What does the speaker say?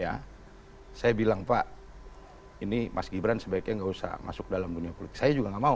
ya saya bilang pak ini mas gibran sebaiknya nggak usah masuk dalam dunia politik saya juga nggak mau